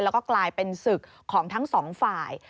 แล้วก็กลายเป็นศึกของทั้งสองฝ่าย